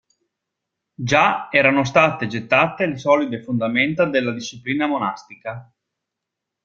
Già erano state gettate le solide fondamenta della disciplina monastica.